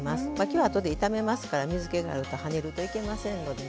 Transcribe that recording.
今日はあとで炒めますから水けがあるとはねるといけませんのでね。